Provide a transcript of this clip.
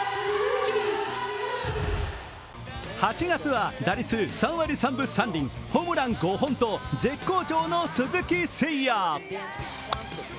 ８月は打率３割３分３厘ホームラン５本と絶好調の鈴木誠也。